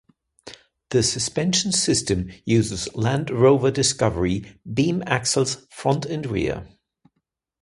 The suspension system uses Land Rover Discovery beam axles front and rear.